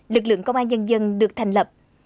lực lượng công an nhân dân được thành lập